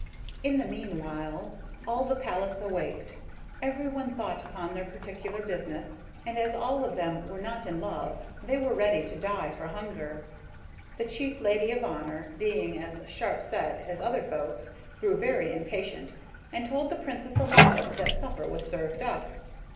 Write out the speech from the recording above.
In the meanwhile all the palace awaked; everyone thought upon their particular business, and as all of them were not in love they were ready to die for hunger. The chief lady of honor, being as sharp set as other folks, grew very impatient, and told the Princess aloud that supper was served up.